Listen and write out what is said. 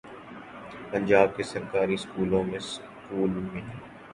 پنجاب کے سرکاری سکولوں میں سکول میل